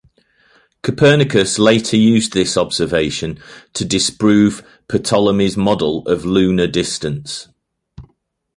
Copernicus later used this observation to disprove Ptolemy's model of lunar distance.